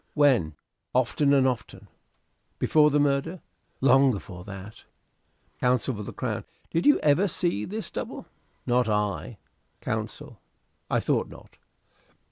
"When?" "Often and often." "Before the murder?" "Long afore that." Counsel for the Crown. Did you ever see this double? "Not I." Counsel. I thought not.